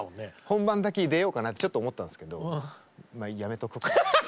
本番だけ出ようかなってちょっと思ったんですけどやめとくかって。